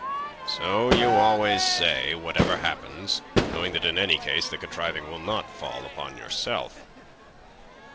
"So you always say, whatever happens, knowing that in any case the contriving will not fall upon yourself."